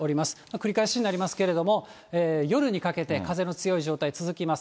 繰り返しになりますけれども、夜にかけて、風の強い状態、続きます。